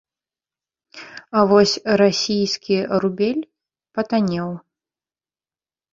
А вось расійскі рубель патаннеў.